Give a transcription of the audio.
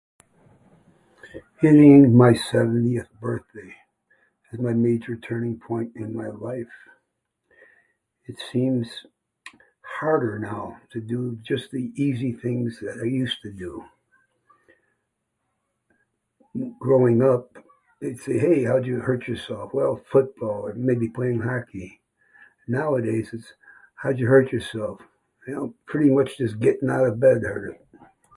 "Hitting my seventieth birthday is my major turning point in my life. It seems harder now to do just the easy things that I used to do. Growing up, it's ""Hey, how'd you hurt yourself?"" Well, football, or maybe playing hockey. Nowadays, it's ""How'd you hurt yourself?"" Well, pretty much just getting outta bed early."